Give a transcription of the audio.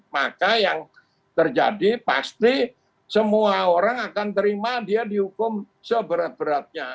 maka yang terjadi pasti semua orang akan terima dia dihukum seberat beratnya